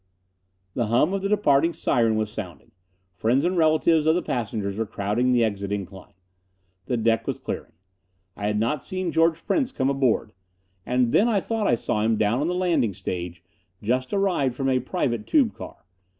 The hum of the departing siren was sounding. Friends and relatives of the passengers were crowding the exit incline. The deck was clearing. I had not seen George Prince come aboard. And then I thought I saw him down on the landing stage, just arrived from a private tube car.